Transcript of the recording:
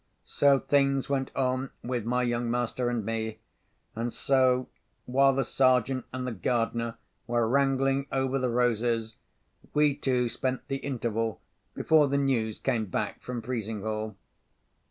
So things went on with my young master and me; and so (while the Sergeant and the gardener were wrangling over the roses) we two spent the interval before the news came back from Frizinghall.